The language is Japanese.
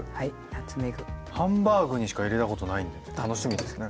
ハンバーグにしか入れたことないんで楽しみですね。